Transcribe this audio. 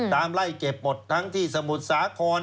ตามไล่เก็บหมดทั้งที่สมุทรสาคร